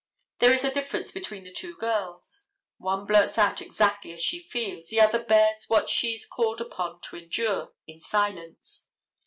There is a difference between the two girls. One blurts out exactly as she feels, the other bears what she is called upon to endure in silence.